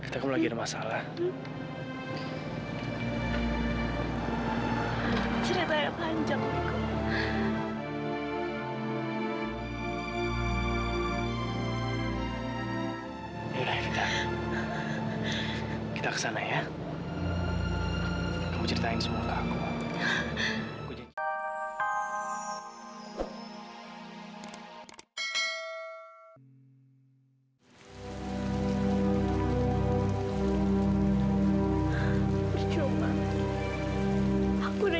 sampai jumpa di video selanjutnya